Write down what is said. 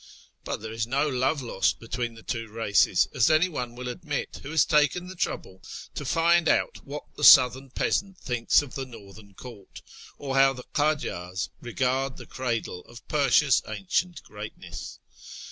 But there is no love lost between the two races, as anyone will admit who has taken the trouble to find out what the southern peasant thinks of the northern court, or how the Kajars regard the cradle of Persia's ancient greatness.